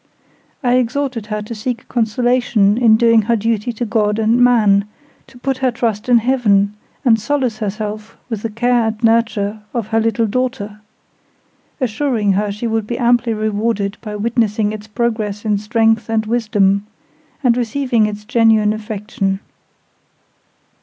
I exhorted her to seek consolation in doing her duty to God and man, to put her trust in Heaven, and solace herself with the care and nurture of her little daughter; assuring her she would be amply rewarded by witnessing its progress in strength and wisdom, and receiving its genuine affection.